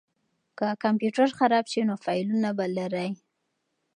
که کمپیوټر خراب شي نو فایلونه به لرئ.